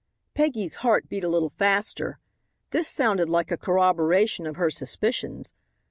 Peggy's heart beat a little faster. This sounded like a corroboration of her suspicions.